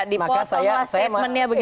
di posonglah statementnya begitu ya